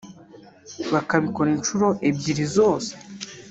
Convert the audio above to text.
bakabikora inshuro ebyiri zose